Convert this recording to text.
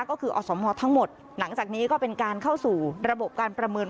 ก็คืออสมทั้งหมดหลังจากนี้ก็เป็นการเข้าสู่ระบบการประเมิน